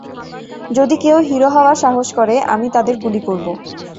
যদি কেউ হিরো হওয়ার সাহস করে, আমি তাদের গুলি করব!